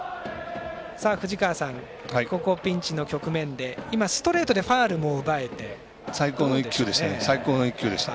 藤川さん、ここピンチの局面で今、ストレートで最高の１球でした。